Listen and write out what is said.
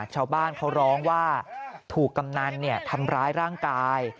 ชาวบ้านเขาร้องว่าถูกกำนันทำร้ายร่างกาย